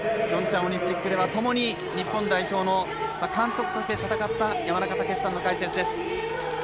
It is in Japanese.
ピョンチャンオリンピックではともに日本代表の監督として戦った山中武司さんの解説です。